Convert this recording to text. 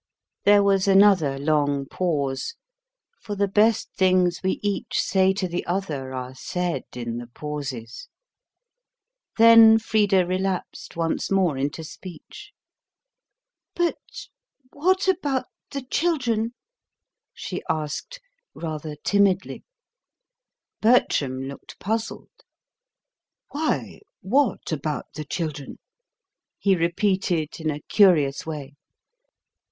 There was another long pause; for the best things we each say to the other are said in the pauses. Then Frida relapsed once more into speech: "But what about the children?" she asked rather timidly. Bertram looked puzzled. "Why, what about the children?" he repeated in a curious way.